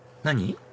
何？